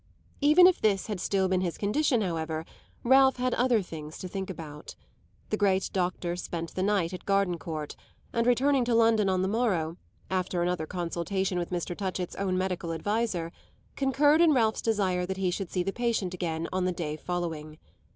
Even if this had still been his condition, however, Ralph had other things to think about. The great doctor spent the night at Gardencourt and, returning to London on the morrow, after another consultation with Mr. Touchett's own medical adviser, concurred in Ralph's desire that he should see the patient again on the day following.